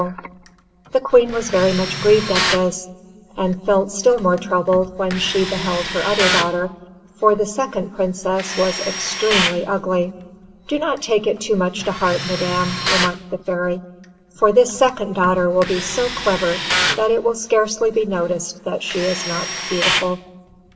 The Queen was very much grieved at this, and felt still more troubled when she beheld her other daughter, for the second Princess was extremely ugly. "Do not take it too much to heart, madam," remarked the fairy, "for this second daughter will be so clever that it will scarcely be noticed that she is not beautiful."